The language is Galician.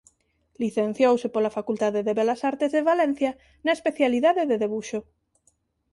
Licenciouse pola facultade de Belas Artes de Valencia na especialidade de debuxo.